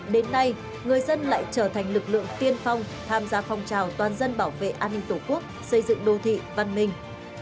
đến nay người dân lại trở thành lực lượng tiên phong tham gia phong trào toàn dân bảo vệ an ninh tổ quốc xây dựng đô thị văn minh